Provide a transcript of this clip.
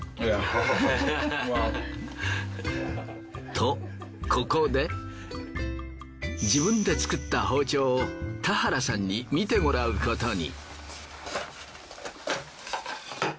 とここで自分で作った包丁を田原さんに見てもらうことに。